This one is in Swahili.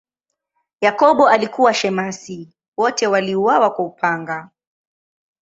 Yakobo alikuwa shemasi, wote waliuawa kwa upanga.